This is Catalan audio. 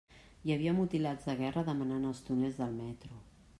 Hi havia mutilats de guerra demanant als túnels del metro.